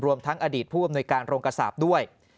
ทั้งอดีตผู้อำนวยการโรงกระสาปด้วย